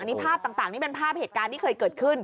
นี่ภาพต่างนี่เป็นภาพเหตุการณ์ที่เคยเกิดขึ้น